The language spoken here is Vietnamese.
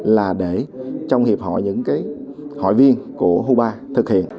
là để trong hiệp hội những hội viên của cuba thực hiện